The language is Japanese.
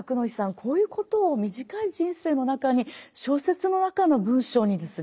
こういうことを短い人生の中に小説の中の文章にですね